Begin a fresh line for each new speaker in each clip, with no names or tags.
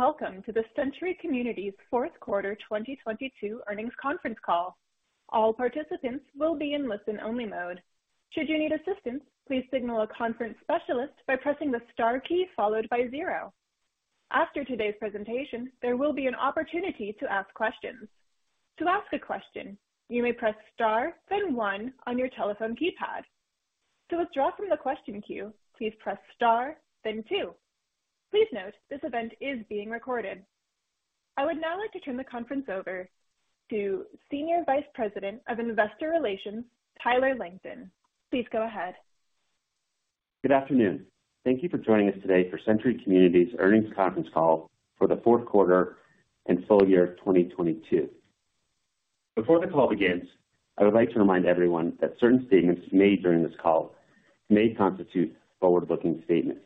Hello, and welcome to the Century Communities fourth quarter 2022 earnings conference call. All participants will be in listen-only mode. Should you need assistance, please signal a conference specialist by pressing the star key followed by 0. After today's presentation, there will be an opportunity to ask questions. To ask a question, you may press star then one on your telephone keypad. To withdraw from the question queue, please press star then two. Please note this event is being recorded. I would now like to turn the conference over to Senior Vice President of Investor Relations, Tyler Langton. Please go ahead.
Good afternoon. Thank you for joining us today for Century Communities earnings conference call for the fourth quarter and full year of 2022. Before the call begins, I would like to remind everyone that certain statements made during this call may constitute forward-looking statements.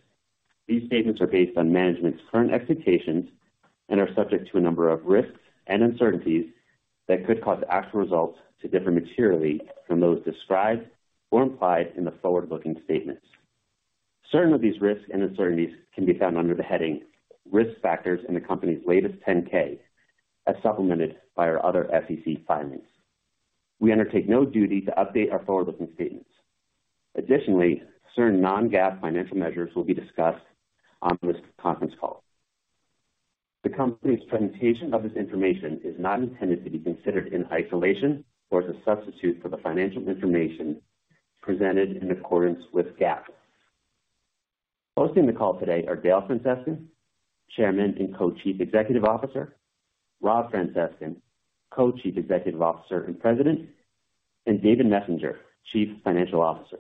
These statements are based on management's current expectations and are subject to a number of risks and uncertainties that could cause actual results to differ materially from those described or implied in the forward-looking statements. Certain of these risks and uncertainties can be found under the heading Risk Factors in the company's latest 10-K, as supplemented by our other SEC filings. We undertake no duty to update our forward-looking statements. Additionally, certain non-GAAP financial measures will be discussed on this conference call. The company's presentation of this information is not intended to be considered in isolation or as a substitute for the financial information presented in accordance with GAAP. Hosting the call today are Dale Francescon, Chairman and Co-Chief Executive Officer, Rob Francescon, Co-Chief Executive Officer and President, and David Messenger, Chief Financial Officer.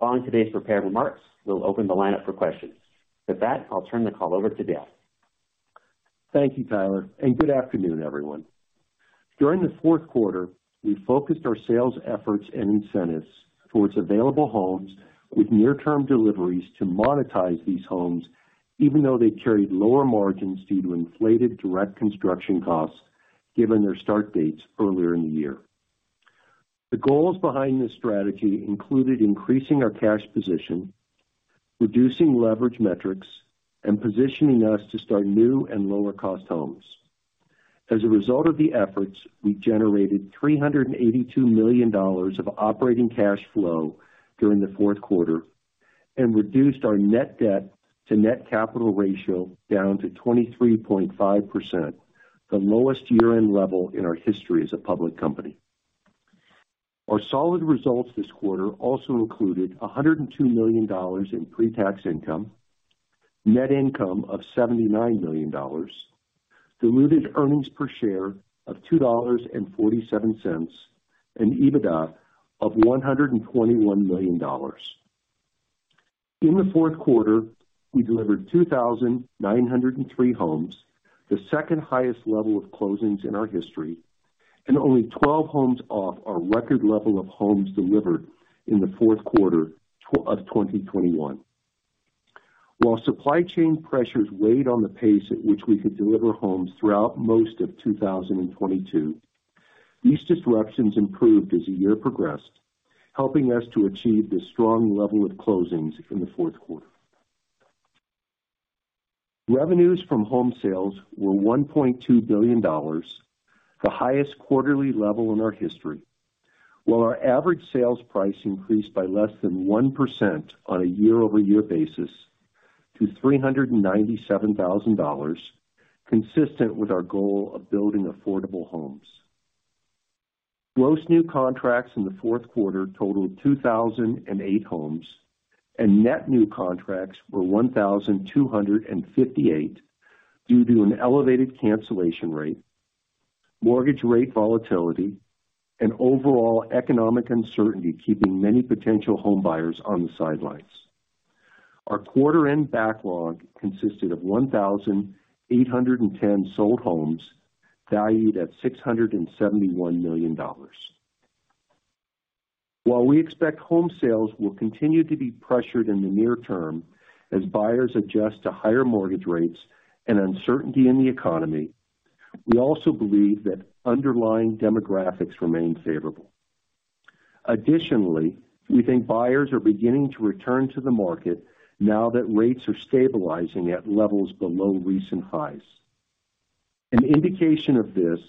Following today's prepared remarks, we'll open the lineup for questions. With that, I'll turn the call over to Dale.
Thank you, Tyler. Good afternoon, everyone. During the fourth quarter, we focused our sales efforts and incentives towards available homes with near-term deliveries to monetize these homes even though they carried lower margins due to inflated direct construction costs given their start dates earlier in the year. The goals behind this strategy included increasing our cash position, reducing leverage metrics, and positioning us to start new and lower-cost homes. As a result of the efforts, we generated $382 million of operating cash flow during the fourth quarter and reduced our net debt to net capital ratio down to 23.5%, the lowest year-end level in our history as a public company. Our solid results this quarter also included $102 million in pre-tax income, net income of $79 million, diluted earnings per share of $2.47, and EBITDA of $121 million. In the fourth quarter, we delivered 2,903 homes, the second highest level of closings in our history, and only 12 homes off our record level of homes delivered in the fourth quarter of 2021. While supply chain pressures weighed on the pace at which we could deliver homes throughout most of 2022, these disruptions improved as the year progressed, helping us to achieve this strong level of closings in the fourth quarter. Revenues from home sales were $1.2 billion, the highest quarterly level in our history, while our average sales price increased by less than 1% on a year-over-year basis to $397,000, consistent with our goal of building affordable homes. Gross new contracts in the fourth quarter totaled 2,008 homes, net new contracts were 1,258 due to an elevated cancellation rate, mortgage rate volatility, and overall economic uncertainty keeping many potential homebuyers on the sidelines. Our quarter end backlog consisted of 1,810 sold homes valued at $671 million. While we expect home sales will continue to be pressured in the near term as buyers adjust to higher mortgage rates and uncertainty in the economy, we also believe that underlying demographics remain favorable. Additionally, we think buyers are beginning to return to the market now that rates are stabilizing at levels below recent highs. An indication of this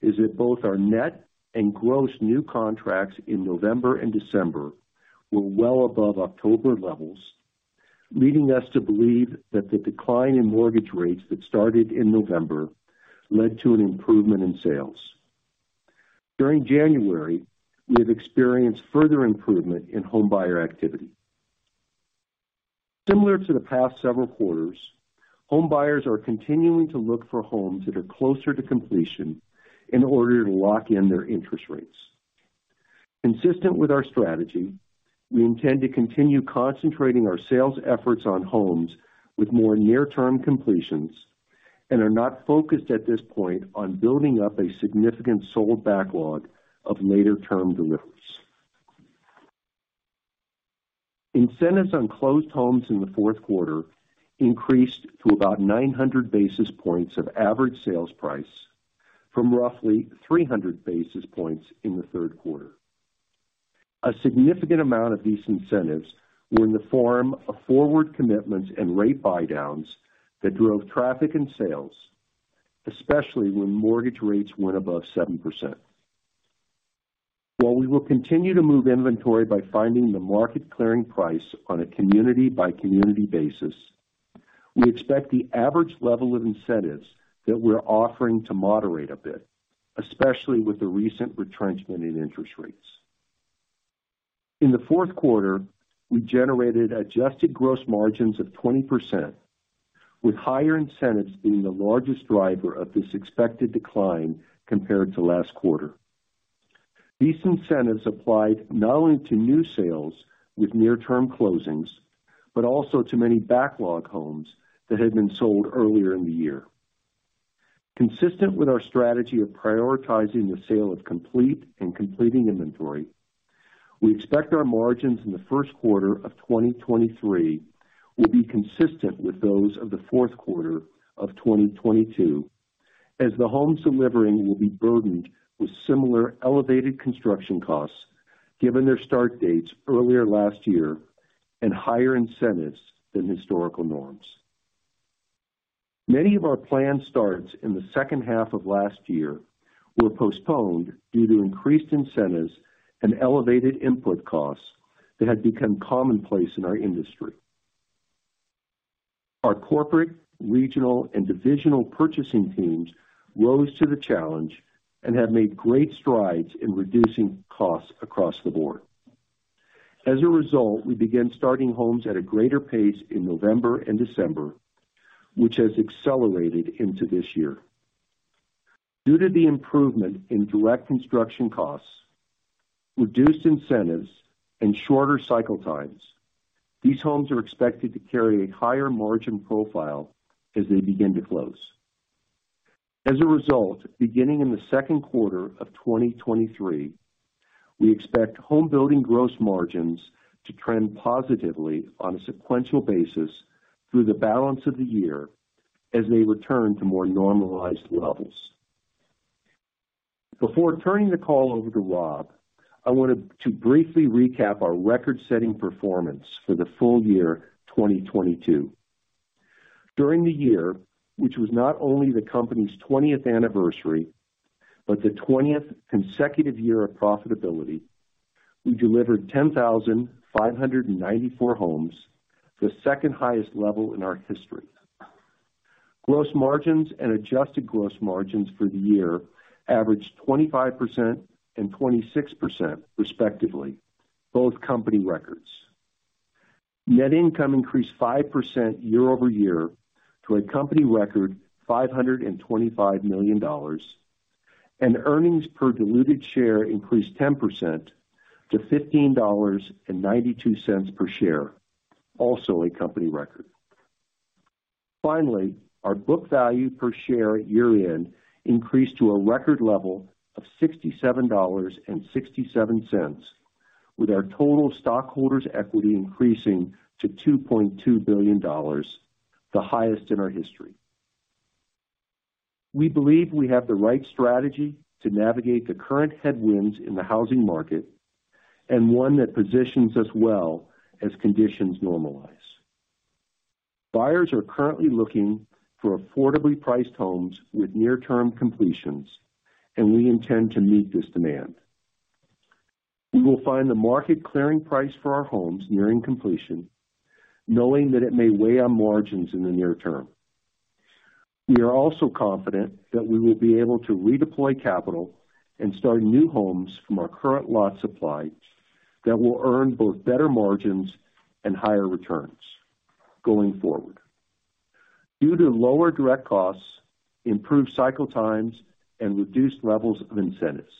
is that both our net and gross new contracts in November and December were well above October levels, leading us to believe that the decline in mortgage rates that started in November led to an improvement in sales. During January, we have experienced further improvement in homebuyer activity. Similar to the past several quarters, homebuyers are continuing to look for homes that are closer to completion in order to lock in their interest rates. Consistent with our strategy, we intend to continue concentrating our sales efforts on homes with more near-term completions and are not focused at this point on building up a significant sold backlog of later-term deliveries. Incentives on closed homes in the fourth quarter increased to about 900 basis points of average sales price from roughly 300 basis points in the third quarter. A significant amount of these incentives were in the form of forward commitments and rate buydowns that drove traffic and sales, especially when mortgage rates went above 7%. While we will continue to move inventory by finding the market clearing price on a community-by-community basis, we expect the average level of incentives that we're offering to moderate a bit, especially with the recent retrenchment in interest rates. In the fourth quarter, we generated adjusted gross margins of 20%, with higher incentives being the largest driver of this expected decline compared to last quarter. These incentives applied not only to new sales with near-term closings, but also to many backlog homes that had been sold earlier in the year. Consistent with our strategy of prioritizing the sale of complete and completing inventory, we expect our margins in the first quarter of 2023 will be consistent with those of the fourth quarter of 2022, as the homes delivering will be burdened with similar elevated construction costs given their start dates earlier last year and higher incentives than historical norms. Many of our planned starts in the second half of last year were postponed due to increased incentives and elevated input costs that had become commonplace in our industry. Our corporate, regional, and divisional purchasing teams rose to the challenge and have made great strides in reducing costs across the board. As a result, we began starting homes at a greater pace in November and December, which has accelerated into this year. Due to the improvement in direct construction costs, reduced incentives, and shorter cycle times, these homes are expected to carry a higher margin profile as they begin to close. Beginning in the second quarter of 2023, we expect homebuilding gross margins to trend positively on a sequential basis through the balance of the year as they return to more normalized levels. Before turning the call over to Rob, I wanted to briefly recap our record-setting performance for the full year 2022. During the year, which was not only the company's 20th anniversary, but the 20th consecutive year of profitability, we delivered 10,594 homes, the second-highest level in our history. Gross margins and adjusted gross margins for the year averaged 25% and 26% respectively, both company records. Net income increased 5% year-over-year to a company record $525 million, and earnings per diluted share increased 10% to $15.92 per share, also a company record. Finally, our book value per share at year-end increased to a record level of $67.67, with our total stockholders' equity increasing to $2.2 billion, the highest in our history. We believe we have the right strategy to navigate the current headwinds in the housing market and one that positions us well as conditions normalize. Buyers are currently looking for affordably priced homes with near-term completions, and we intend to meet this demand. We will find the market clearing price for our homes nearing completion, knowing that it may weigh on margins in the near term. We are also confident that we will be able to redeploy capital and start new homes from our current lot supply that will earn both better margins and higher returns going forward due to lower direct costs, improved cycle times, and reduced levels of incentives.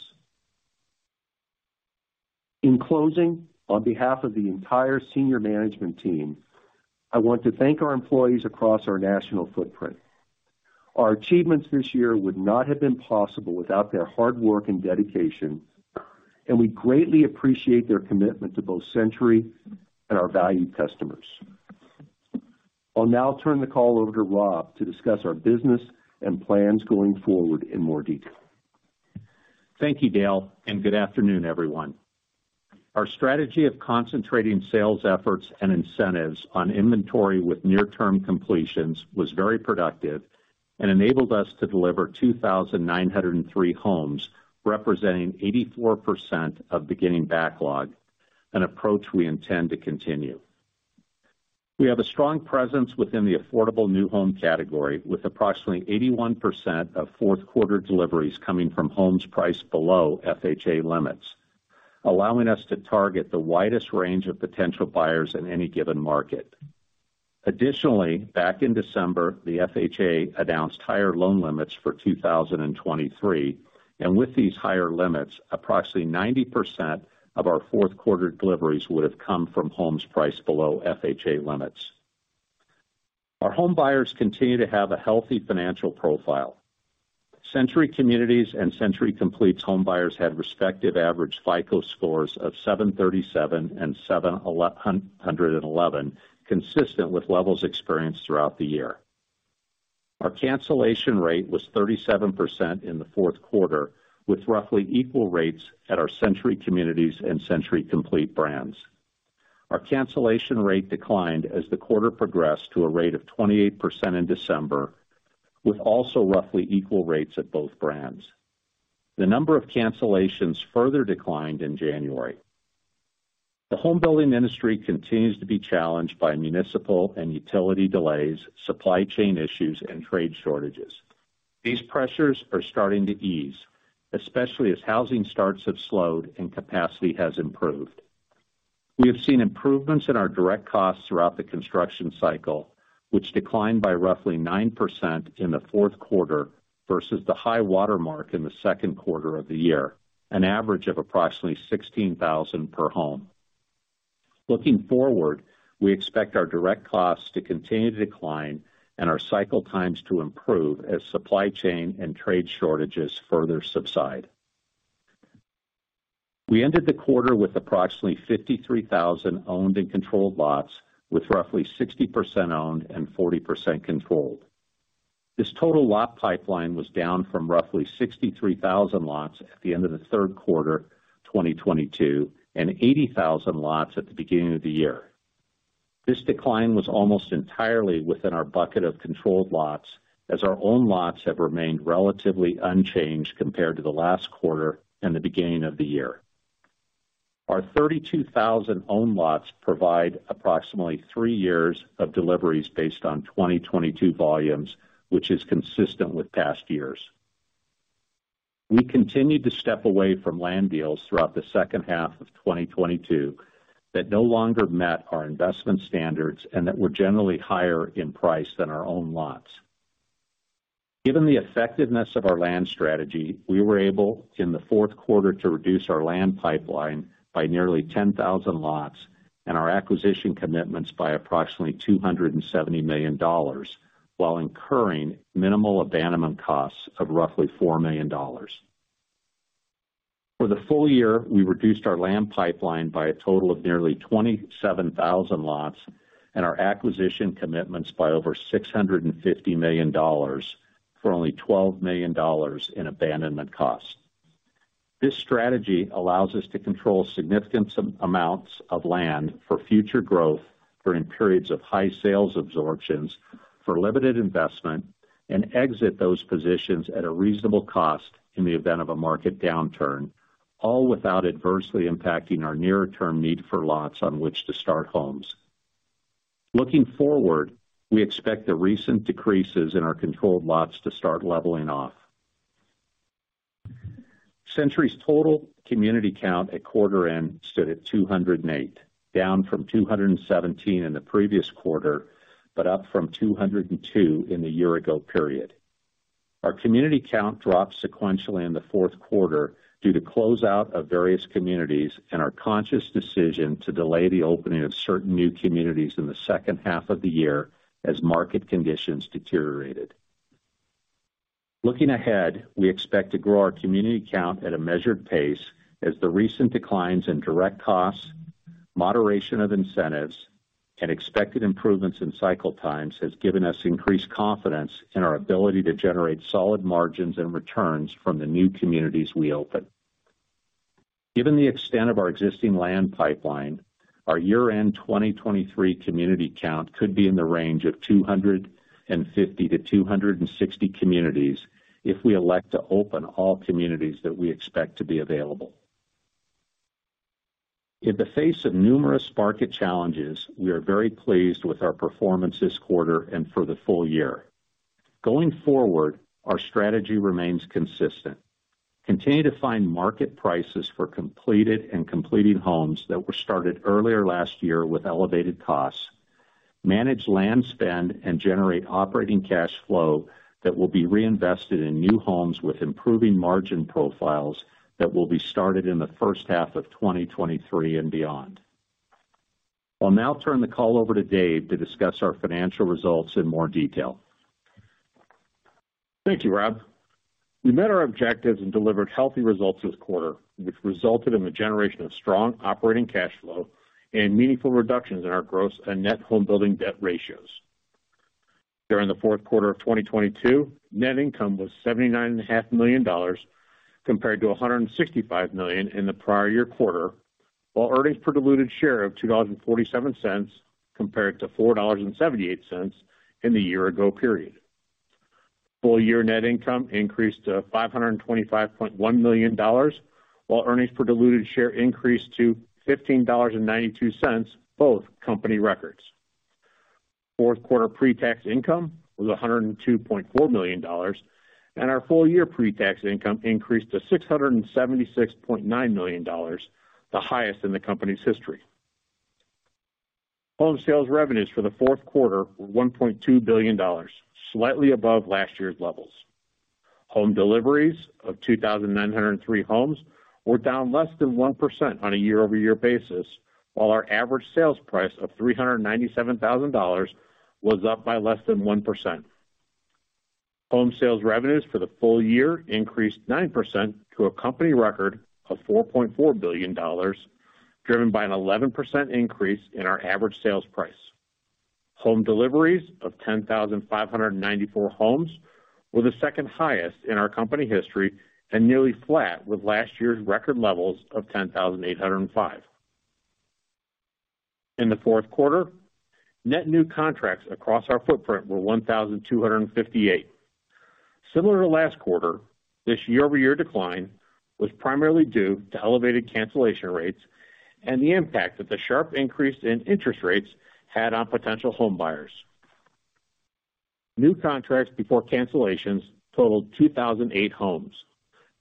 In closing, on behalf of the entire senior management team, I want to thank our employees across our national footprint. Our achievements this year would not have been possible without their hard work and dedication. We greatly appreciate their commitment to both Century and our valued customers. I'll now turn the call over to Rob to discuss our business and plans going forward in more detail.
Thank you, Dale, and good afternoon, everyone. Our strategy of concentrating sales efforts and incentives on inventory with near-term completions was very productive and enabled us to deliver 2,903 homes, representing 84% of beginning backlog, an approach we intend to continue. We have a strong presence within the affordable new home category, with approximately 81% of fourth-quarter deliveries coming from homes priced below FHA limits, allowing us to target the widest range of potential buyers in any given market. Back in December, the FHA announced higher loan limits for 2023, with these higher limits, approximately 90% of our fourth-quarter deliveries would have come from homes priced below FHA limits. Our home buyers continue to have a healthy financial profile. Century Communities and Century Complete home buyers had respective average FICO scores of 737 and 711, consistent with levels experienced throughout the year. Our cancellation rate was 37% in the fourth quarter, with roughly equal rates at our Century Communities and Century Complete brands. Our cancellation rate declined as the quarter progressed to a rate of 28% in December, with also roughly equal rates at both brands. The number of cancellations further declined in January. The homebuilding industry continues to be challenged by municipal and utility delays, supply chain issues, and trade shortages. These pressures are starting to ease, especially as housing starts have slowed and capacity has improved. We have seen improvements in our direct costs throughout the construction cycle, which declined by roughly 9% in the fourth quarter versus the high watermark in the second quarter of the year, an average of approximately $16,000 per home. Looking forward, we expect our direct costs to continue to decline and our cycle times to improve as supply chain and trade shortages further subside. We ended the quarter with approximately 53,000 owned and controlled lots, with roughly 60% owned and 40% controlled. This total lot pipeline was down from roughly 63,000 lots at the end of the third quarter, 2022, and 80,000 lots at the beginning of the year. This decline was almost entirely within our bucket of controlled lots, as our own lots have remained relatively unchanged compared to the last quarter and the beginning of the year. Our 32,000 own lots provide approximately three years of deliveries based on 2022 volumes, which is consistent with past years. We continued to step away from land deals throughout the second half of 2022 that no longer met our investment standards and that were generally higher in price than our own lots. Given the effectiveness of our land strategy, we were able, in the fourth quarter, to reduce our land pipeline by nearly 10,000 lots and our acquisition commitments by approximately $270 million while incurring minimal abandonment costs of roughly $4 million. For the full year, we reduced our land pipeline by a total of nearly 27,000 lots and our acquisition commitments by over $650 million for only $12 million in abandonment costs. This strategy allows us to control significant amounts of land for future growth during periods of high sales absorptions for limited investment and exit those positions at a reasonable cost in the event of a market downturn, all without adversely impacting our nearer-term need for lots on which to start homes. Looking forward, we expect the recent decreases in our controlled lots to start leveling off. Century's total community count at quarter-end stood at 208, down from 217 in the previous quarter, but up from 202 in the year-ago period. Our community count dropped sequentially in the fourth quarter due to close-out of various communities and our conscious decision to delay the opening of certain new communities in the second half of the year as market conditions deteriorated. Looking ahead, we expect to grow our community count at a measured pace as the recent declines in direct costs, moderation of incentives, and expected improvements in cycle times has given us increased confidence in our ability to generate solid margins and returns from the new communities we open. Given the extent of our existing land pipeline, our year-end 2023 community count could be in the range of 250-260 communities if we elect to open all communities that we expect to be available. In the face of numerous market challenges, we are very pleased with our performance this quarter and for the full year. Going forward, our strategy remains consistent. Continue to find market prices for completed and completing homes that were started earlier last year with elevated costs. Manage land spend and generate operating cash flow that will be reinvested in new homes with improving margin profiles that will be started in the first half of 2023 and beyond. I'll now turn the call over to Dave to discuss our financial results in more detail.
Thank you, Rob. We met our objectives and delivered healthy results this quarter, which resulted in the generation of strong operating cash flow and meaningful reductions in our gross and net homebuilding debt ratios. During the fourth quarter of 2022, net income was $79.5 million compared to $165 million in the prior year quarter, while earnings per diluted share of $2.47 compared to $4.78 in the year ago period. Full year net income increased to $525.1 million, while earnings per diluted share increased to $15.92, both company records. Fourth quarter pre-tax income was $102.4 million, and our full year pre-tax income increased to $676.9 million, the highest in the company's history. Home sales revenues for the fourth quarter were $1.2 billion, slightly above last year's levels. Home deliveries of 2,903 homes were down less than 1% on a year-over-year basis, while our average sales price of $397,000 was up by less than 1%. Home sales revenues for the full year increased 9% to a company record of $4.4 billion, driven by an 11% increase in our average sales price. Home deliveries of 10,594 homes were the second highest in our company history and nearly flat with last year's record levels of 10,805. In the fourth quarter, net new contracts across our footprint were 1,258. Similar to last quarter, this year-over-year decline was primarily due to elevated cancellation rates and the impact that the sharp increase in interest rates had on potential home buyers. New contracts before cancellations totaled 2,008 homes.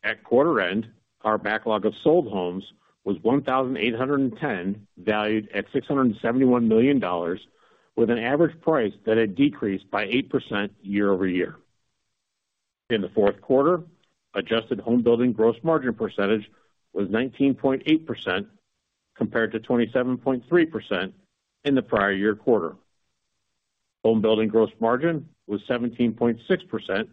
At quarter end, our backlog of sold homes was 1,810, valued at $671 million with an average price that had decreased by 8% year-over-year. In the fourth quarter, adjusted homebuilding gross margin percentage was 19.8% compared to 27.3% in the prior year quarter. homebuilding gross margin was 17.6%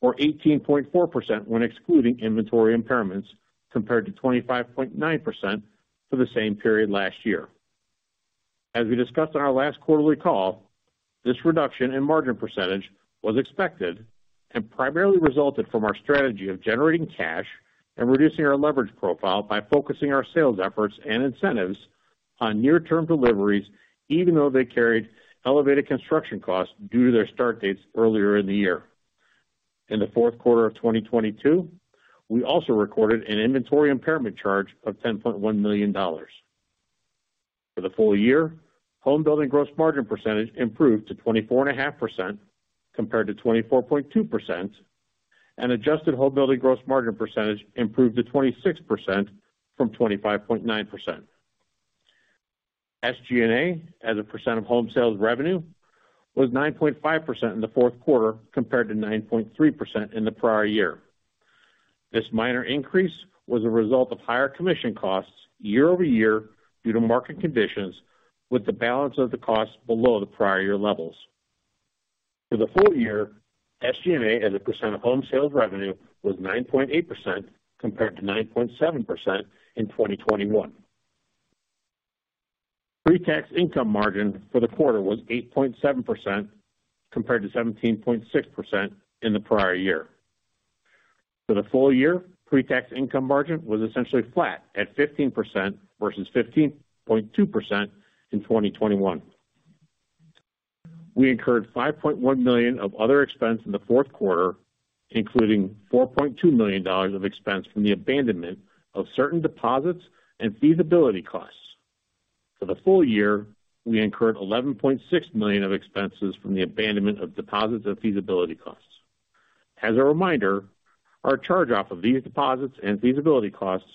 or 18.4% when excluding inventory impairments, compared to 25.9% for the same period last year. As we discussed on our last quarterly call, this reduction in margin percentage was expected and primarily resulted from our strategy of generating cash and reducing our leverage profile by focusing our sales efforts and incentives on near-term deliveries, even though they carried elevated construction costs due to their start dates earlier in the year. In the fourth quarter of 2022, we also recorded an inventory impairment charge of $10.1 million. For the full year, homebuilding gross margin percentage improved to 24.5% compared to 24.2%, and adjusted homebuilding gross margin percentage improved to 26% from 25.9%. SG&A, as a percent of home sales revenue, was 9.5% in the fourth quarter compared to 9.3% in the prior year. This minor increase was a result of higher commission costs year-over-year due to market conditions with the balance of the cost below the prior year levels. For the full year, SG&A as a percent of home sales revenue was 9.8% compared to 9.7% in 2021. Pre-tax income margin for the quarter was 8.7% compared to 17.6% in the prior year. For the full year, pre-tax income margin was essentially flat at 15% versus 15.2% in 2021. We incurred $5.1 million of other expense in the fourth quarter, including $4.2 million of expense from the abandonment of certain deposits and feasibility costs. For the full year, we incurred $11.6 million of expenses from the abandonment of deposits and feasibility costs. As a reminder, our charge-off of these deposits and feasibility costs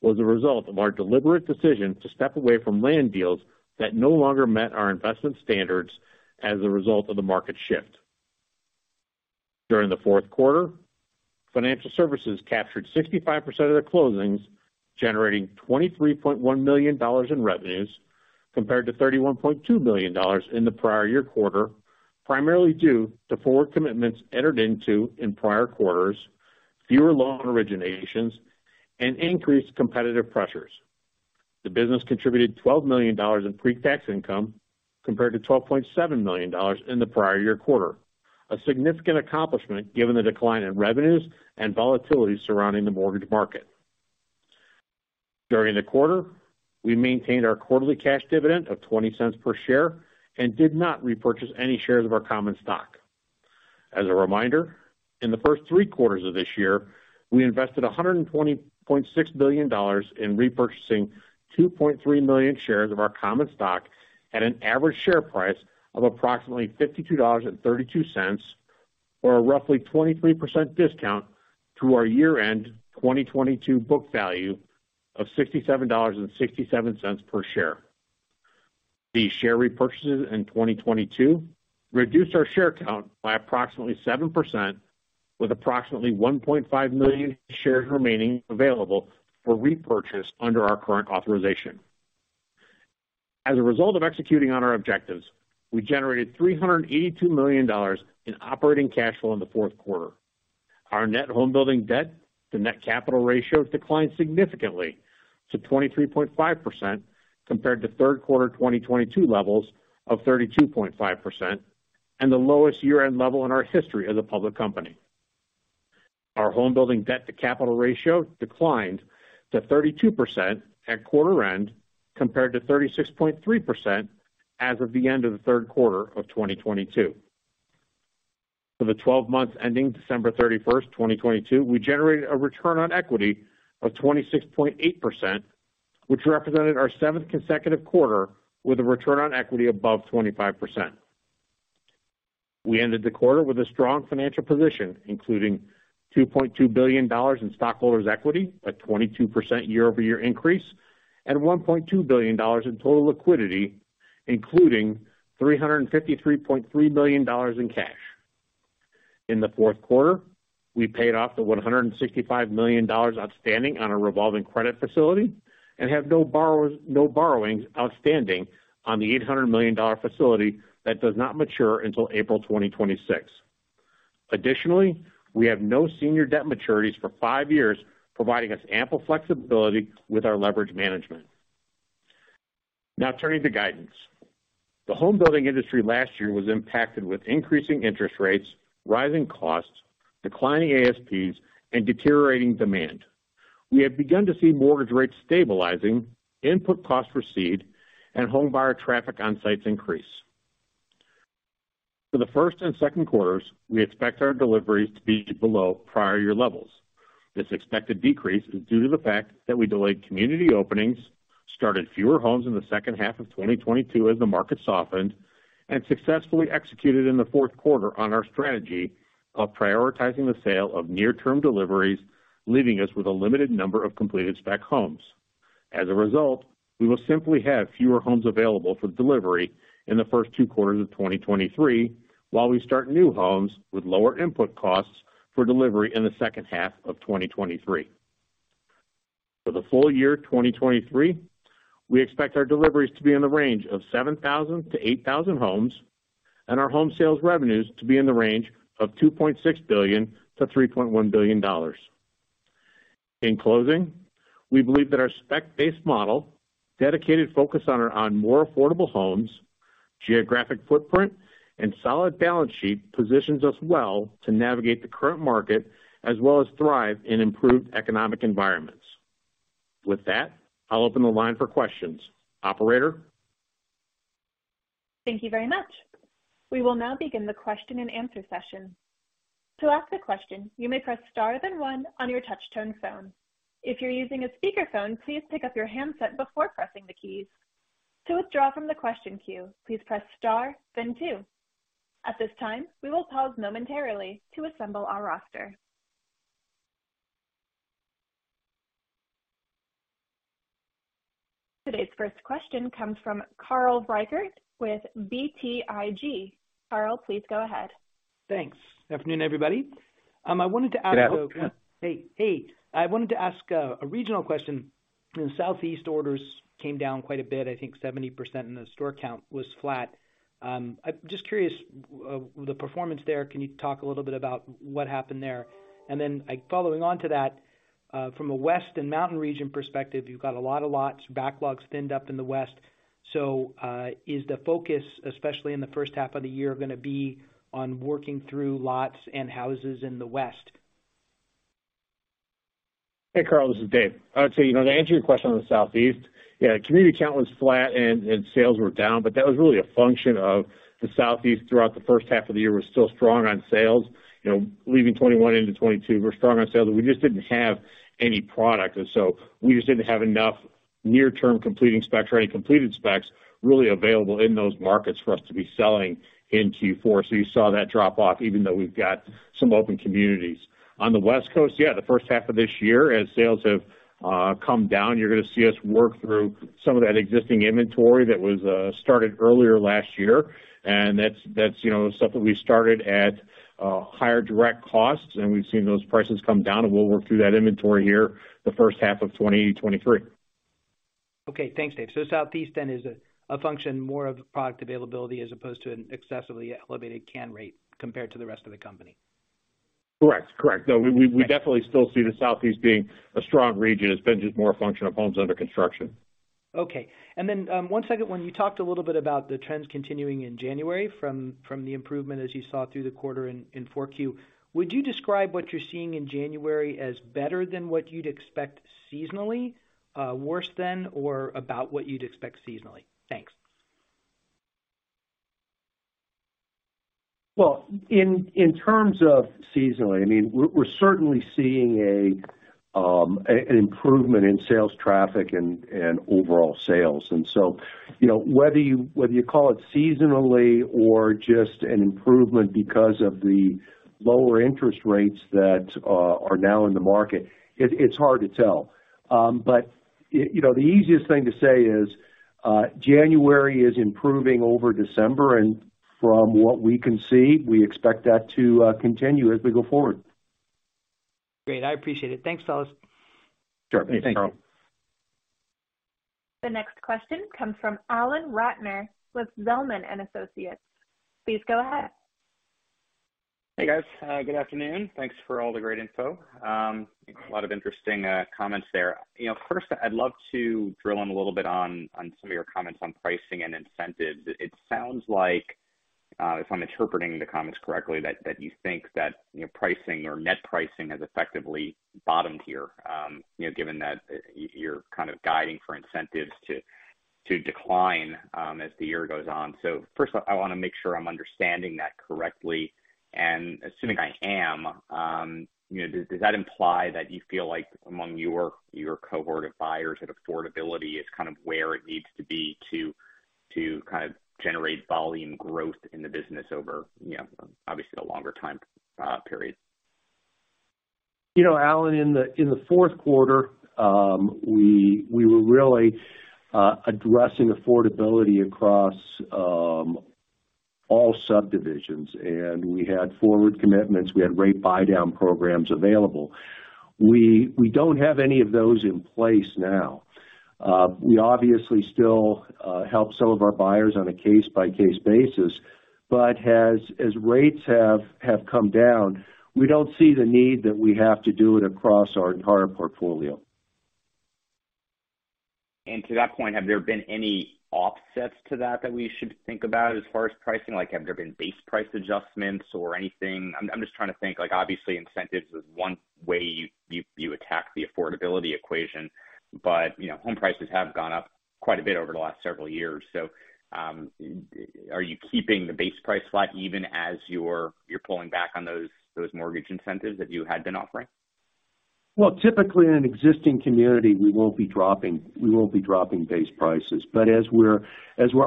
was a result of our deliberate decision to step away from land deals that no longer met our investment standards as a result of the market shift. During the fourth quarter, financial services captured 65% of their closings, generating $23.1 million in revenues compared to $31.2 million in the prior-year quarter, primarily due to forward commitments entered into in prior quarters, fewer loan originations, and increased competitive pressures. The business contributed $12 million in pre-tax income compared to $12.7 million in the prior-year quarter. A significant accomplishment given the decline in revenues and volatility surrounding the mortgage market. During the quarter, we maintained our quarterly cash dividend of $0.20 per share and did not repurchase any shares of our common stock. As a reminder, in the first three quarters of this year, we invested $120.6 million in repurchasing 2.3 million shares of our common stock at an average share price of approximately $52.32, or a roughly 23% discount to our year-end 2022 book value of $67.67 per share. These share repurchases in 2022 reduced our share count by approximately 7%, with approximately 1.5 million shares remaining available for repurchase under our current authorization. As a result of executing on our objectives, we generated $382 million in operating cash flow in the fourth quarter. Our net homebuilding debt to net capital ratio declined significantly to 23.5% compared to third quarter 2022 levels of 32.5%, and the lowest year-end level in our history as a public company. Our homebuilding debt to capital ratio declined to 32% at quarter end, compared to 36.3% as of the end of the third quarter of 2022. For the 12 months ending December 31, 2022, we generated a return on equity of 26.8%, which represented our seventh consecutive quarter with a return on equity above 25%. We ended the quarter with a strong financial position, including $2.2 billion in stockholders' equity, a 22% year-over-year increase, and $1.2 billion in total liquidity, including $353.3 million in cash. In the fourth quarter, we paid off the $165 million outstanding on our revolving credit facility and have no borrowings outstanding on the $800 million facility that does not mature until April 2026. Additionally, we have no senior debt maturities for five years, providing us ample flexibility with our leverage management. Now turning to guidance. The homebuilding industry last year was impacted with increasing interest rates, rising costs, declining ASPs, and deteriorating demand. We have begun to see mortgage rates stabilizing, input costs recede, and home buyer traffic on sites increase. For the first and second quarters, we expect our deliveries to be below prior year levels. This expected decrease is due to the fact that we delayed community openings, started fewer homes in the second half of 2022 as the market softened, and successfully executed in the fourth quarter on our strategy of prioritizing the sale of near-term deliveries, leaving us with a limited number of completed spec homes. As a result, we will simply have fewer homes available for delivery in the first two quarters of 2023, while we start new homes with lower input costs for delivery in the second half of 2023. For the full year 2023, we expect our deliveries to be in the range of 7,000-8,000 homes and our home sales revenues to be in the range of $2.6 billion-$3.1 billion. In closing, we believe that our spec-based model, dedicated focus on more affordable homes, geographic footprint, and solid balance sheet positions us well to navigate the current market as well as thrive in improved economic environments. With that, I'll open the line for questions. Operator?
Thank you very much. We will now begin the question and answer session. To ask a question, you may press star, then one on your touch-tone phone. If you're using a speaker phone, please pick up your handset before pressing the keys. To withdraw from the question queue, please press star, then two. At this time, we will pause momentarily to assemble our roster. Today's first question comes from Carl Reichardt with BTIG. Carl, please go ahead.
Thanks. Afternoon, everybody.
Good afternoon.
Hey. I wanted to ask a regional question. In the Southeast, orders came down quite a bit, I think 70%, and the store count was flat. I'm just curious of the performance there. Can you talk a little bit about what happened there? Then, like, following on to that, from a West and Mountain region perspective, you've got a lot of lots, backlogs thinned up in the West. Is the focus, especially in the first half of the year, going to be on working through lots and houses in the West?
Hey, Carl, this is Dave. I would say, you know, to answer your question on the Southeast, yeah, community count was flat and sales were down, but that was really a function of the Southeast throughout the first half of the year was still strong on sales. You know, leaving 2021 into 2022, we're strong on sales, and we just didn't have any product. We just didn't have enough near-term completing specs or any completed specs really available in those markets for us to be selling in Q4. You saw that drop off even though we've got some open communities. On the West Coast, yeah, the first half of this year, as sales have come down, you're going to see us work through some of that existing inventory that was started earlier last year. That's, you know, stuff that we started at higher direct costs and we've seen those prices come down, and we'll work through that inventory here the first half of 2023.
Okay. Thanks, Dave. Southeast then is a function more of product availability as opposed to an excessively elevated can rate compared to the rest of the company.
Correct. We definitely still see the Southeast being a strong region. It's been just more a function of homes under construction.
Okay. One second one, you talked a little bit about the trends continuing in January from the improvement as you saw through the quarter in 4Q, would you describe what you're seeing in January as better than what you'd expect seasonally, worse than, or about what you'd expect seasonally? Thanks.
Well, in terms of seasonally, I mean, we're certainly seeing an improvement in sales traffic and overall sales. You know, whether you call it seasonally or just an improvement because of the lower interest rates that are now in the market, it's hard to tell. You know, the easiest thing to say is January is improving over December, and from what we can see, we expect that to continue as we go forward.
Great. I appreciate it. Thanks, fellas.
Sure. Thank you.
The next question comes from Alan Ratner with Zelman & Associates. Please go ahead.
Hey, guys. Good afternoon. Thanks for all the great info. A lot of interesting comments there. You know, first, I'd love to drill in a little bit on some of your comments on pricing and incentives. It sounds like if I'm interpreting the comments correctly, that you think that, you know, pricing or net pricing has effectively bottomed here, you know, given that you're kind of guiding for incentives to decline as the year goes on. First off, I wanna make sure I'm understanding that correctly. Assuming I am, you know, does that imply that you feel like among your cohort of buyers that affordability is kind of where it needs to be to kind of generate volume growth in the business over, you know, obviously a longer time period?
You know, Alan, in the fourth quarter, we were really addressing affordability across all subdivisions, and we had forward commitments, we had rate buydown programs available. We don't have any of those in place now. We obviously still help some of our buyers on a case-by-case basis, but as rates have come down, we don't see the need that we have to do it across our entire portfolio.
To that point, have there been any offsets to that we should think about as far as pricing? Like, have there been base price adjustments or anything? I'm just trying to think like obviously incentives is one way you attack the affordability equation. You know, home prices have gone up quite a bit over the last several years, so, are you keeping the base price flat even as you're pulling back on those mortgage incentives that you had been offering?
Well, typically in an existing community, we won't be dropping base prices. As we're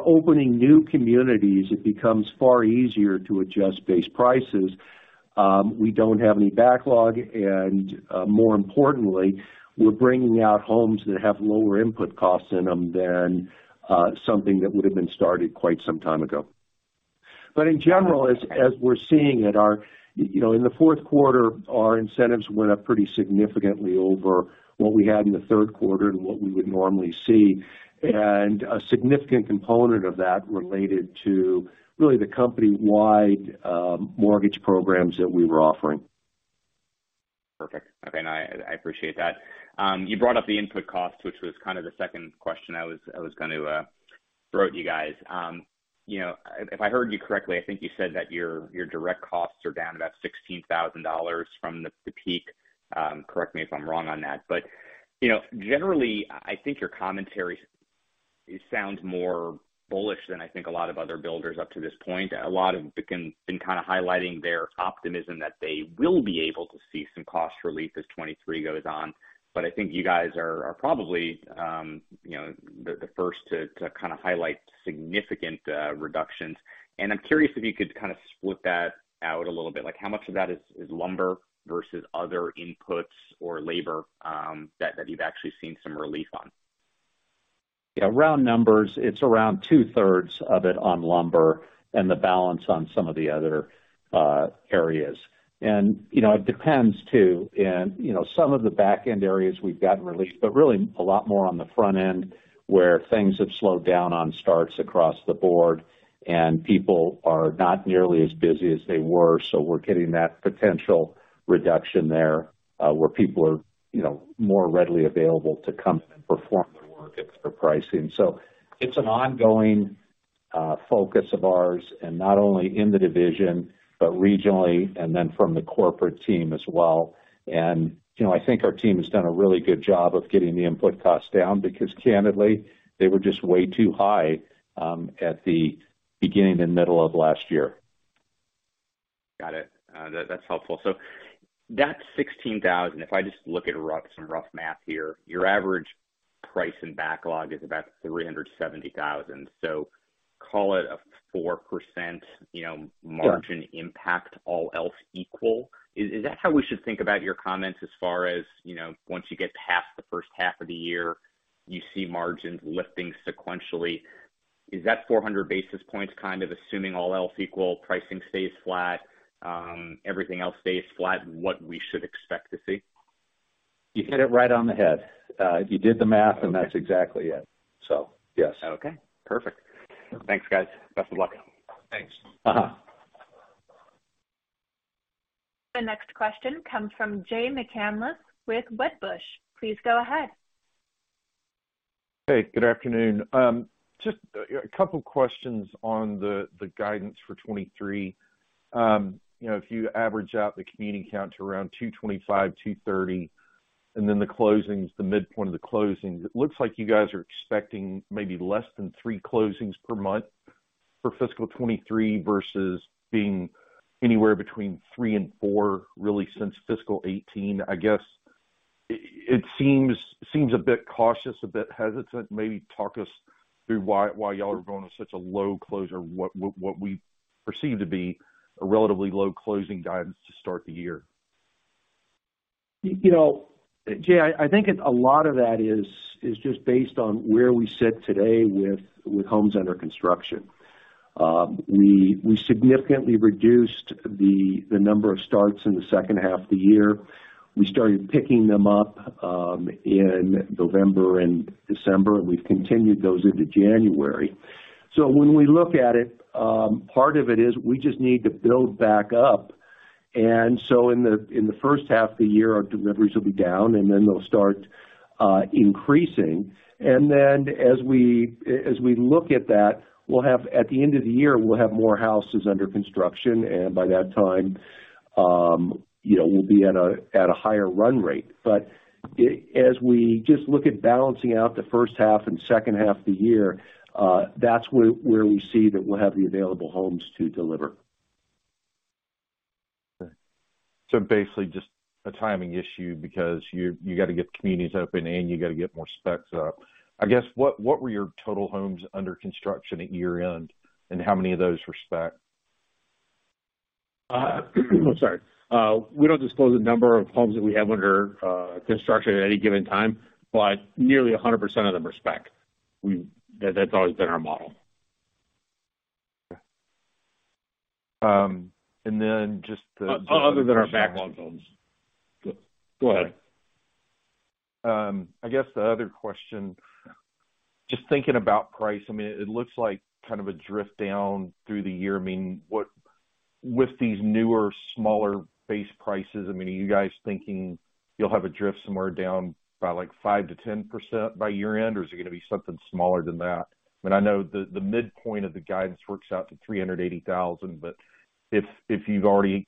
opening new communities, it becomes far easier to adjust base prices. We don't have any backlog and, more importantly, we're bringing out homes that have lower input costs in them than something that would have been started quite some time ago. In general, as we're seeing it, our... You know, in the fourth quarter, our incentives went up pretty significantly over what we had in the third quarter and what we would normally see. A significant component of that related to really the company-wide mortgage programs that we were offering.
Perfect. Okay. No, I appreciate that. You brought up the input cost, which was kind of the second question I was going to throw at you guys. You know, if I heard you correctly, I think you said that your direct costs are down about $16,000 from the peak. Correct me if I'm wrong on that. You know, generally I think your commentary sounds more bullish than I think a lot of other builders up to this point. A lot of them have been kinda highlighting their optimism that they will be able to see some cost relief as 2023 goes on. I think you guys are probably, you know, the first to kind of highlight significant reductions. I'm curious if you could kind of split that out a little bit. Like how much of that is lumber versus other inputs or labor, that you've actually seen some relief on?
Yeah. Round numbers, it's around 2/3 of it on lumber and the balance on some of the other areas. You know, it depends too. You know, some of the back-end areas we've gotten relief, but really a lot more on the front end, where things have slowed down on starts across the board, and people are not nearly as busy as they were. We're getting that potential reduction there, where people are, you know, more readily available to come and perform their work at better pricing. It's an ongoing focus of ours, and not only in the division but regionally and then from the corporate team as well. You know, I think our team has done a really good job of getting the input costs down because candidly, they were just way too high, at the beginning and middle of last year.
Got it. That, that's helpful. That $16,000, if I just look at rough, some rough math here, your average price and backlog is about $370,000, so call it a 4%, you know margin impact all else equal. Is that how we should think about your comments as far as, you know, once you get past the first half of the year, you see margins lifting sequentially? Is that 400 basis points kind of assuming all else equal, pricing stays flat, everything else stays flat, what we should expect to see?
You hit it right on the head. You did the math, and that's exactly it. Yes.
Okay, perfect. Thanks, guys. Best of luck.
Thanks.
The next question comes from Jay McCanless with Wedbush. Please go ahead.
Hey, good afternoon. Just a couple questions on the guidance for 2023. You know, if you average out the community count to around 225, 230, and then the closings, the midpoint of the closings, it looks like you guys are expecting maybe less than three closings per month for fiscal 2023 versus being anywhere between three and four really since fiscal 2018. I guess it seems a bit cautious, a bit hesitant. Maybe talk us through why y'all are going with such a low closure, what we perceive to be a relatively low closing guidance to start the year.
You know, Jay, I think a lot of that is just based on where we sit today with homes under construction. We significantly reduced the number of starts in the second half of the year. We started picking them up in November and December, and we've continued those into January. When we look at it, part of it is we just need to build back up. In the first half of the year, our deliveries will be down, and then they'll start increasing. As we, as we look at that, we'll have at the end of the year, we'll have more houses under construction, and by that time, you know, we'll be at a higher run rate. As we just look at balancing out the first half and second half of the year, that's where we see that we'll have the available homes to deliver.
Basically just a timing issue because you gotta get the communities open and you gotta get more specs up. I guess what were your total homes under construction at year-end, and how many of those were spec?
Sorry. We don't disclose the number of homes that we have under construction at any given time, but nearly 100% of them are spec. That's always been our model.
And then just.
Other than our backlog homes. Go ahead.
I guess the other question, just thinking about price, I mean, it looks like kind of a drift down through the year. I mean, with these newer, smaller base prices, I mean, are you guys thinking you'll have a drift somewhere down by like 5%-10% by year-end, or is it going to be something smaller than that? I know the midpoint of the guidance works out to $380,000, but if you've already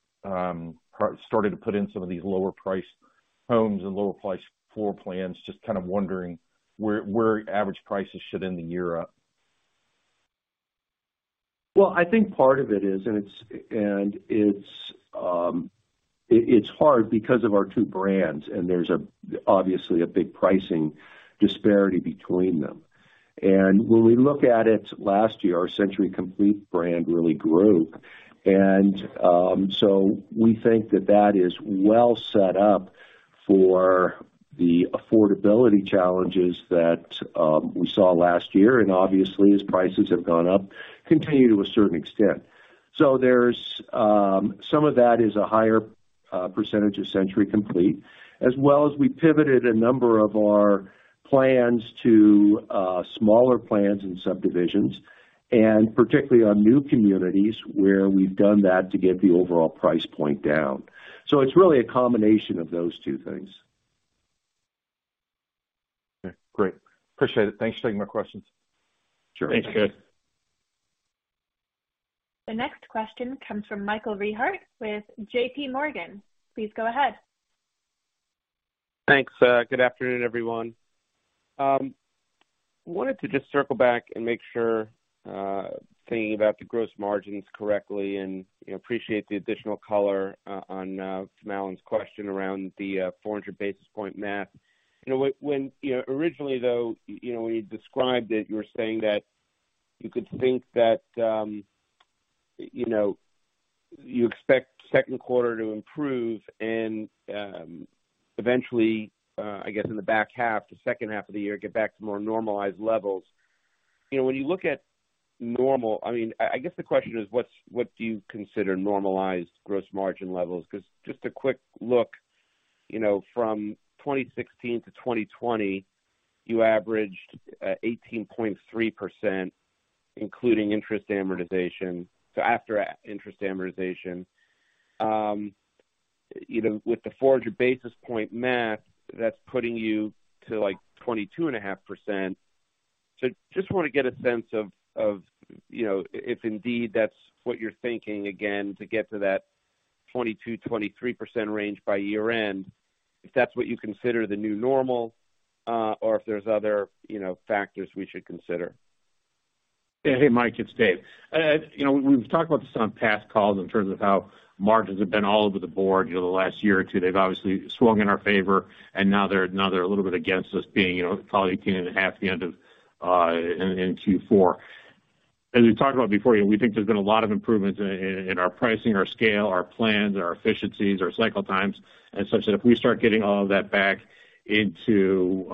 started to put in some of these lower priced homes and lower priced floor plans, just kind of wondering where average prices should end the year up.
Well, I think part of it is, and it's hard because of our two brands, and there's obviously a big pricing disparity between them. When we look at it, last year, our Century Complete brand really grew. We think that that is well set up for the affordability challenges that we saw last year, and obviously, as prices have gone up, continue to a certain extent. There's some of that is a higher percentage of Century Complete, as well as we pivoted a number of our plans to smaller plans and subdivisions, and particularly on new communities where we've done that to get the overall price point down. It's really a combination of those two things.
Okay. Great. Appreciate it. Thanks for taking my questions.
Sure. Thank you.
The next question comes from Michael Rehaut with JPMorgan. Please go ahead.
Thanks. Good afternoon, everyone. Wanted to just circle back and make sure, thinking about the gross margins correctly and, you know, appreciate the additional color on Alan Ratner's question around the 400 basis point math. You know, originally, though, you know, when you described it, you were saying that you could think that, you know, you expect second quarter to improve and eventually, I guess in the back half, the second half of the year, get back to more normalized levels. You know, when you look at normal, I mean, I guess the question is: What's, what do you consider normalized gross margin levels? 'Cause just a quick look, you know, from 2016 to 2020, you averaged 18.3%, including interest amortization. After interest amortization, you know, with the 400 basis point math, that's putting you to, like, 22.5%. Just wanna get a sense of, you know, if indeed that's what you're thinking again to get to that 22-23% range by year-end, if that's what you consider the new normal, or if there's other, you know, factors we should consider.
Hey, Mike, it's Dave. you know, we've talked about this on past calls in terms of how margins have been all over the board, you know, the last year or two. They've obviously swung in our favor, and now they're a little bit against us being, you know, probably 18.5% the end of, in Q4. As we talked about before, you know, we think there's been a lot of improvements in our pricing, our scale, our plans, our efficiencies, our cycle times. Such that if we start getting all of that back into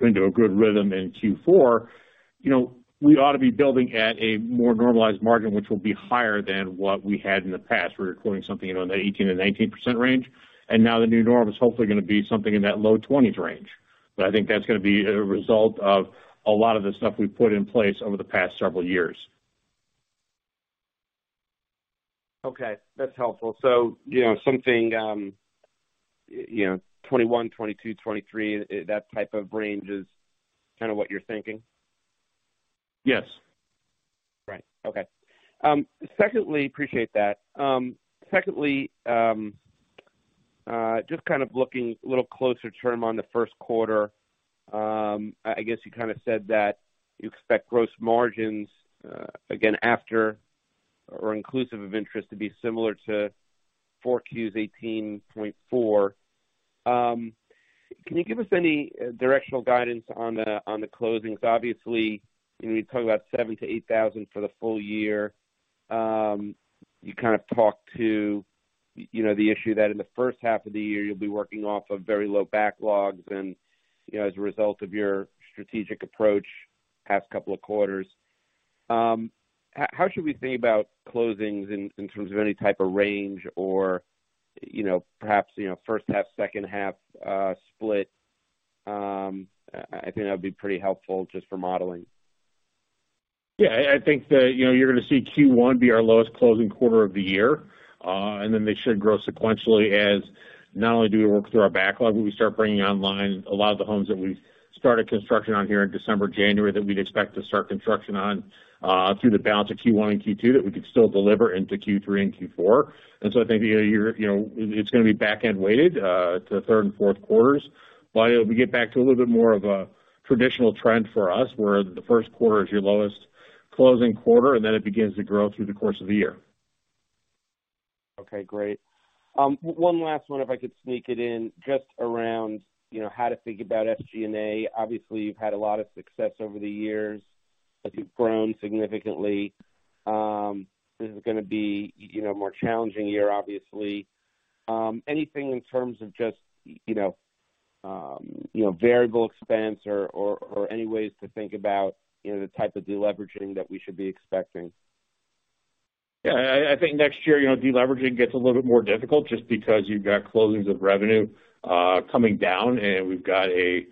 a good rhythm in Q4, you know, we ought to be building at a more normalized margin, which will be higher than what we had in the past. We're recording something, you know, in the 18%-19% range, and now the new norm is hopefully going to be something in that low 20s range. I think that's going to be a result of a lot of the stuff we've put in place over the past several years.
Okay. That's helpful. You know, something, you know, 21, 22, 23, that type of range is kinda what you're thinking?
Yes.
Right. Okay. Secondly, appreciate that. Secondly, just kind of looking a little closer term on the first quarter, I guess you kind of said that you expect gross margins, again, after or inclusive of interest, to be similar to 4Q's 18.4%. Can you give us any directional guidance on the closings? Obviously, you know, you talk about 7,000-8,000 for the full year. You kind of talked to, you know, the issue that in the first half of the year you'll be working off of very low backlogs and, you know, as a result of your strategic approach past couple of quarters. How should we think about closings in terms of any type of range or, you know, perhaps, you know, first half, second half, split? I think that'd be pretty helpful just for modeling.
Yeah. I think that, you know, you're going to see Q1 be our lowest closing quarter of the year. They should grow sequentially as not only do we work through our backlog, but we start bringing online a lot of the homes that we've started construction on here in December, January that we'd expect to start construction on through the balance of Q1 and Q2 that we could still deliver into Q3 and Q4. I think, you know, it's going to be back end-weighted to third and fourth quarters. We get back to a little bit more of a traditional trend for us, where the first quarter is your lowest closing quarter, and then it begins to grow through the course of the year.
Okay. Great. one last one, if I could sneak it in, just around, you know, how to think about SG&A. Obviously, you've had a lot of success over the years as you've grown significantly. this is going to be, you know, a more challenging year, obviously. anything in terms of just, you know, variable expense or any ways to think about, you know, the type of deleveraging that we should be expecting.
I think next year, you know, deleveraging gets a little bit more difficult just because you've got closings of revenue coming down, and we've got a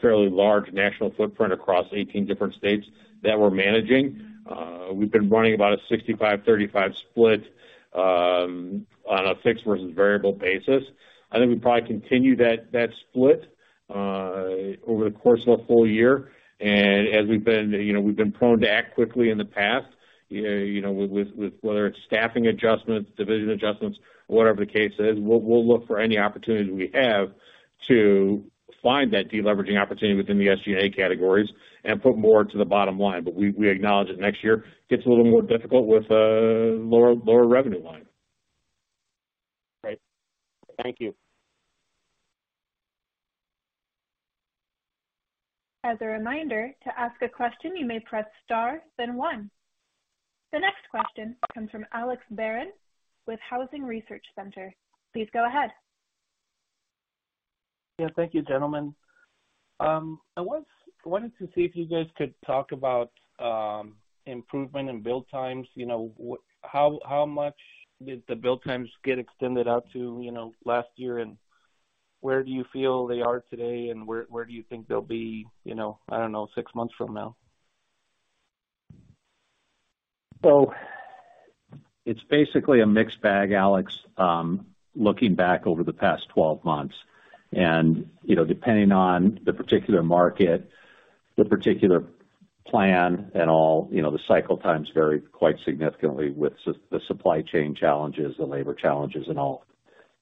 fairly large national footprint across 18 different states that we're managing. We've been running about a 65/35 split on a fixed versus variable basis. I think we probably continue that split over the course of a full year. As we've been, you know, prone to act quickly in the past, you know, whether it's staffing adjustments, division adjustments, whatever the case is, we'll look for any opportunities we have to find that deleveraging opportunity within the SG&A categories and put more to the bottom line. We acknowledge that next year gets a little more difficult with a lower revenue line.
Great. Thank you.
As a reminder, to ask a question, you may press star then one. The next question comes from Alex Barron with Housing Research Center. Please go ahead.
Yeah, thank you, gentlemen. I was wanting to see if you guys could talk about improvement in build times. You know, how much did the build times get extended out to, you know, last year, and where do you feel they are today, and where do you think they'll be, you know, I don't know, six months from now?
It's basically a mixed bag, Alex, looking back over the past 12 months. You know, depending on the particular market, the particular plan and all, you know, the cycle times vary quite significantly with the supply chain challenges, the labor challenges and all.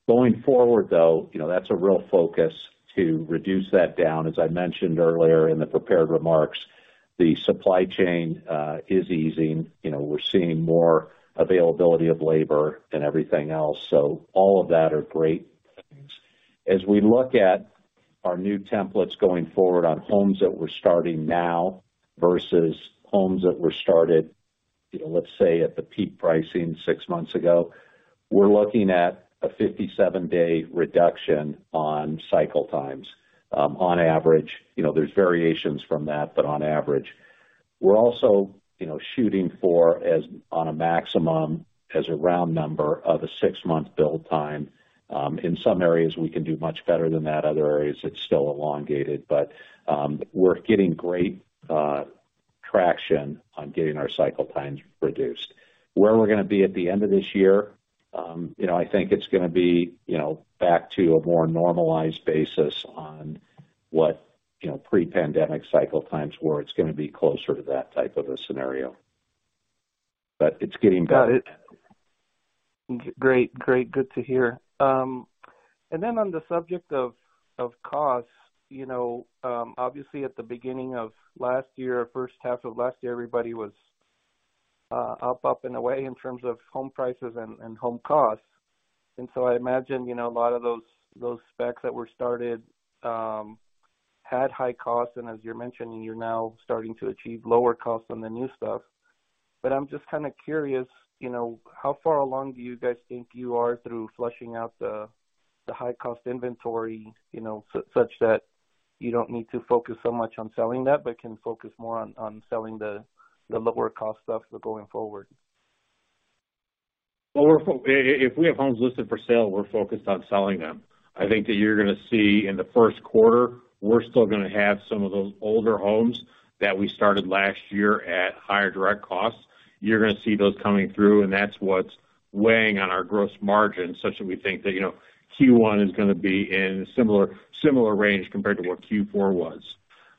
Going forward, though, you know, that's a real focus to reduce that down. As I mentioned earlier in the prepared remarks, the supply chain is easing. You know, we're seeing more availability of labor and everything else. All of that are great things. As we look at our new templates going forward on homes that we're starting now versus homes that were started, you know, let's say at the peak pricing six months ago, we're looking at a 57-day reduction on cycle times on average. You know, there's variations from that, but on average. We're also, you know, shooting for as on a maximum as a round number of a six-month build time. In some areas, we can do much better than that. Other areas, it's still elongated, but we're getting great traction on getting our cycle times reduced. Where we're going to be at the end of this year, you know, I think it's going to be, you know, back to a more normalized basis on what, you know, pre-pandemic cycle times were. It's going to be closer to that type of a scenario. It's getting better.
Got it. Great. Good to hear. Then on the subject of costs, you know, obviously at the beginning of last year, first half of last year, everybody was up and away in terms of home prices and home costs. I imagine, you know, a lot of those specs that were started had high costs. As you're mentioning, you're now starting to achieve lower costs on the new stuff. I'm just kind of curious, you know, how far along do you guys think you are through flushing out the high-cost inventory, you know, such that you don't need to focus so much on selling that, but can focus more on selling the lower-cost stuff going forward?
Well, if we have homes listed for sale, we're focused on selling them. I think that you're going to see in the first quarter, we're still going to have some of those older homes that we started last year at higher direct costs. You're going to see those coming through, and that's what's weighing on our gross margin, such that we think that, you know, Q1 is going to be in a similar range compared to what Q4 was.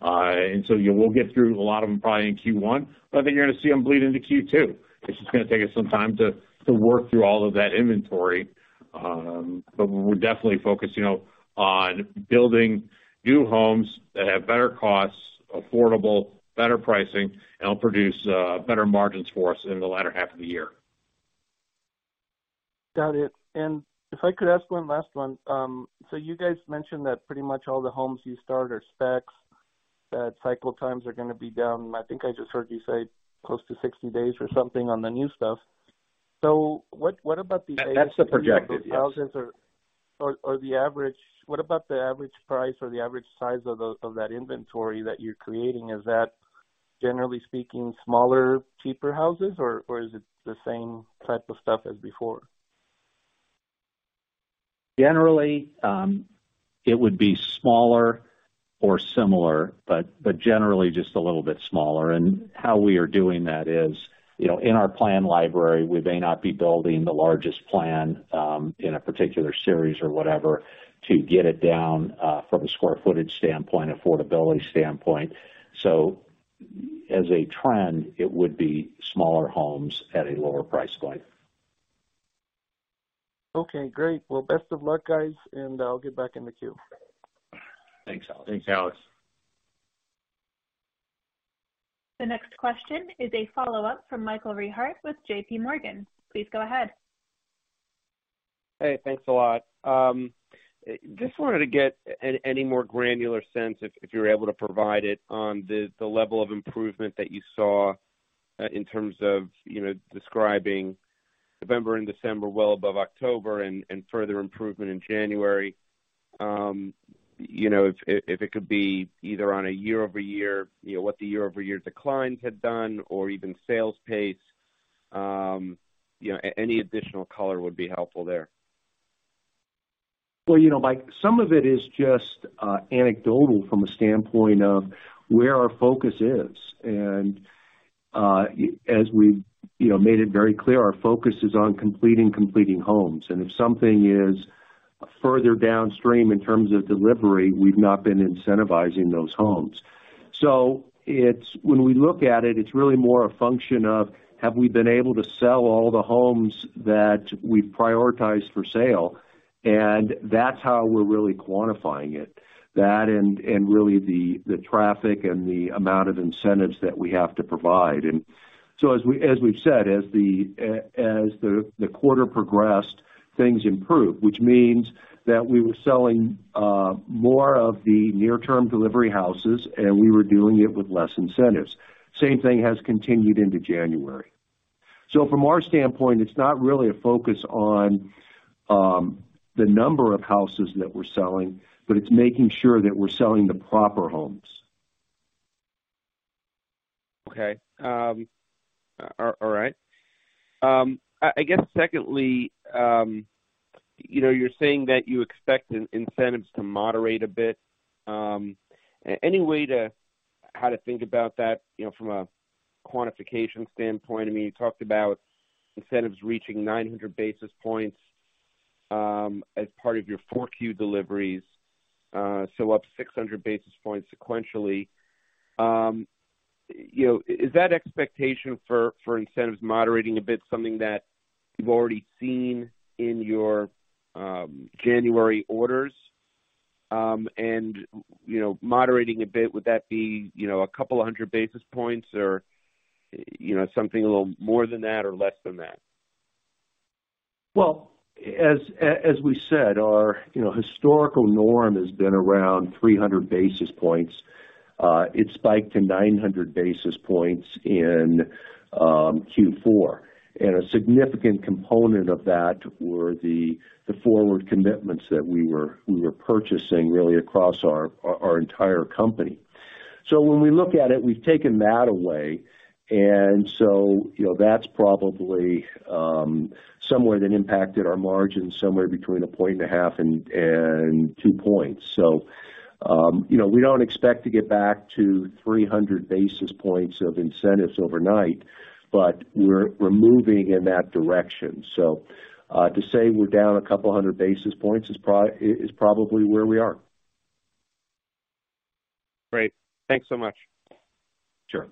You will get through a lot of them probably in Q1, but I think you're going to see them bleed into Q2. It's just going to take us some time to work through all of that inventory. We're definitely focused, you know, on building new homes that have better costs, affordable, better pricing, and will produce better margins for us in the latter half of the year.
Got it. If I could ask one last one. You guys mentioned that pretty much all the homes you start are specs, that cycle times are going to be down. I think I just heard you say close to 60 days or something on the new stuff. What about the.
That's the projected, yes.
Houses or the average... What about the average price or the average size of that inventory that you're creating? Is that, generally speaking, smaller, cheaper houses, or is it the same type of stuff as before?
Generally, it would be smaller or similar, but generally just a little bit smaller. How we are doing that is, you know, in our plan library, we may not be building the largest plan in a particular series or whatever to get it down from a square footage standpoint, affordability standpoint. As a trend, it would be smaller homes at a lower price point.
Okay, great. Well, best of luck, guys, and I'll get back in the queue.
Thanks, Alex.
Thanks, Alex.
The next question is a follow-up from Michael Rehaut with JPMorgan. Please go ahead.
Hey, thanks a lot. Just wanted to get any more granular sense, if you're able to provide it, on the level of improvement that you saw, in terms of, you know, describing November and December well above October and further improvement in January. You know, if it could be either on a year-over-year, you know, what the year-over-year decline had done or even sales pace, you know, any additional color would be helpful there.
Well, you know, Mike, some of it is just anecdotal from a standpoint of where our focus is. As we, you know, made it very clear, our focus is on completing homes. If something is further downstream in terms of delivery, we've not been incentivizing those homes. When we look at it's really more a function of have we been able to sell all the homes that we've prioritized for sale, and that's how we're really quantifying it. That and really the traffic and the amount of incentives that we have to provide. As we've said, as the quarter progressed, things improved, which means that we were selling more of the near-term delivery houses, and we were doing it with less incentives. Same thing has continued into January. From our standpoint, it's not really a focus on, the number of houses that we're selling, but it's making sure that we're selling the proper homes.
Okay. All right. I guess secondly, you know, you're saying that you expect incentives to moderate a bit. Any way to how to think about that, you know, from a quantification standpoint? I mean, you talked about incentives reaching 900 basis points as part of your 4Q deliveries, so up 600 basis points sequentially. You know, is that expectation for incentives moderating a bit something that you've already seen in your January orders? You know, moderating a bit, would that be, you know, a couple of 100 basis points or, you know, something a little more than that or less than that?
As we said, our, you know, historical norm has been around 300 basis points. It spiked to 900 basis points in Q4. A significant component of that were the forward commitments that we were purchasing really across our entire company. When we look at it, we've taken that away, and so, you know, that's probably somewhere that impacted our margins somewhere between 1.5 points and 2 points. You know, we don't expect to get back to 300 basis points of incentives overnight, but we're moving in that direction. To say we're down 200 basis points is probably where we are.
Great. Thanks so much.
Sure.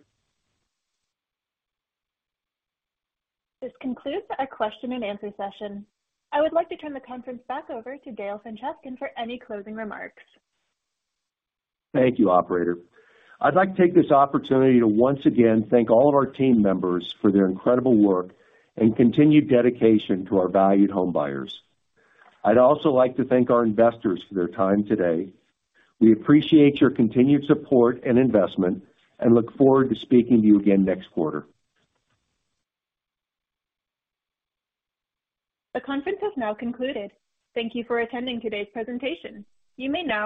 This concludes our question and answer session. I would like to turn the conference back over to Dale Francescon for any closing remarks.
Thank you, operator. I'd like to take this opportunity to once again thank all of our team members for their incredible work and continued dedication to our valued homebuyers. I'd also like to thank our investors for their time today. We appreciate your continued support and investment and look forward to speaking to you again next quarter.
The conference has now concluded. Thank you for attending today's presentation. You may now disconnect.